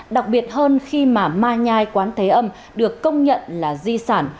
đặc biệt hơn khi mà mai nhai quán thế âm được công nhận là di sản